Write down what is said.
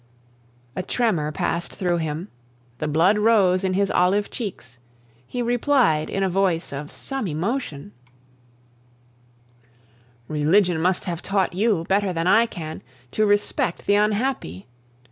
A tremor passed through him, the blood rose in his olive cheeks; he replied in a voice of some emotion: "Religion must have taught you, better than I can, to respect the unhappy.